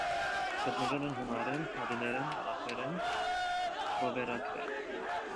Գտնվել են հունարեն, լատիներեն, արաբերեն վավերագրեր։